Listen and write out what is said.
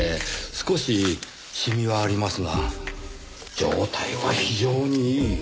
少しシミはありますが状態は非常にいい。